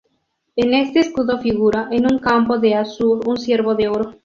En este escudo figura, en un campo de azur, un ciervo de oro.